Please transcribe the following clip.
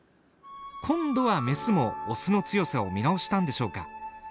今度はメスもオスの強さを見直したんでしょうか。